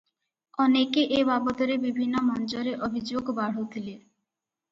ଅନେକେ ଏ ବାବଦରେ ବିଭିନ୍ନ ମଞ୍ଚରେ ଅଭିଯୋଗ ବାଢୁଥିଲେ ।